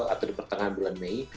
atau di pertengahan bulan mei